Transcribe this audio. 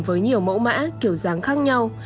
với nhiều mẫu mã kiểu dáng khác nhau